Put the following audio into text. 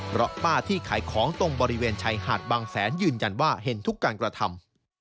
เพราะป้าที่ขายของตรงบริเวณชายหาดบางแสนยืนยันว่าเห็นทุกการกระทำ